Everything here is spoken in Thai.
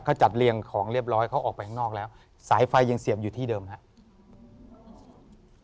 เขาจัดเรียงของเรียบร้อยเขาออกไปข้างนอกแล้วสายไฟยังเสี่ยมอยู่ที่เดิมครับ